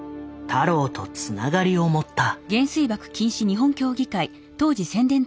太郎とつながりを持った。